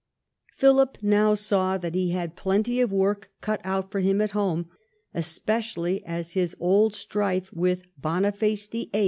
Philip now saw that he had plenty of work cut out for him at homo, especially as his old strife with Boniface VIII.